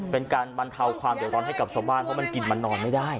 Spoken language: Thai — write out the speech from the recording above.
เป็นการบรรเทาความเดือดร้อนให้กับชาวบ้านเพราะมันกินมันนอนไม่ได้